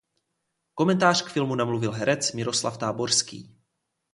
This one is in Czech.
Komentář k filmu namluvil herec Miroslav Táborský.